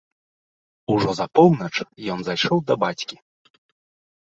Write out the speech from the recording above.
Ужо за поўнач ён зайшоў да бацькі.